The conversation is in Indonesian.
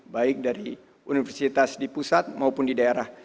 baik dari universitas di pusat maupun di daerah